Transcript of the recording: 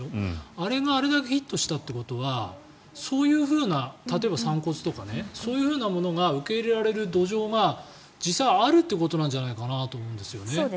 あれがあれだけヒットしたということはそういうふうな、例えば散骨とかそういうものが受け入れられる土壌が実際にあるということなんじゃないかなと思うんですよね。